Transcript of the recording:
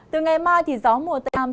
từ ngày mai thì gió mùa tây nam